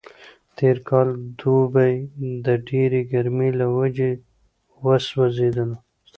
تېر کال دوبی د ډېرې ګرمۍ له وجې وسوځېدلو.